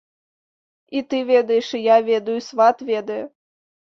І ты ведаеш, і я ведаю, і сват ведае.